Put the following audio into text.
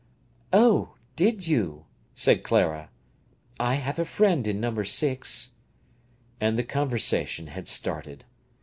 "Oh, did you!" said Clara. "I have a friend in number 6." And the conversation had started.